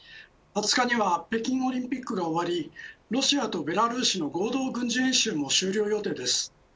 ２０日には北京オリンピックが終わりロシアとベラルーシの合同軍事演習も終了予定です。